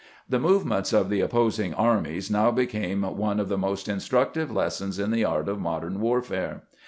The movements of the opposing armies now became one of the most instructive lessons in the art of modern warfare.